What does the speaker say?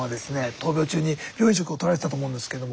闘病中に病院食をとられてたと思うんですけども。